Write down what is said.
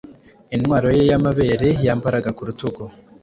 Intwaro ye yamabere yambaraga ku rutugu